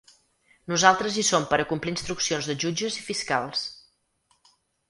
Nosaltres hi som per a complir instruccions de jutges i fiscals.